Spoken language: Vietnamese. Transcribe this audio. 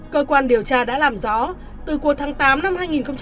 cơ quan điều tra đã làm rõ từ cuối tháng tám năm hai nghìn một mươi chín